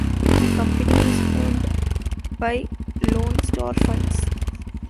The company is owned by Lone Star Funds.